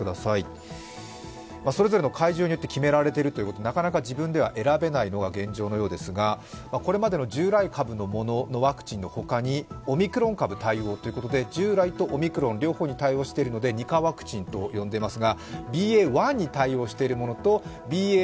それぞれの会場によって決められているので自分で選ぶことができないというのが現状のようですが、これまでの従来株のワクチンのほかにオミクロン株対応ということで、従来とオミクロン、両方に対応しているので、２価ワクチンと呼んでいます。